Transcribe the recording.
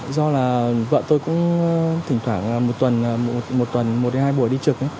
do là vợ tôi cũng thỉnh thoảng một tuần một hay hai buổi đi trực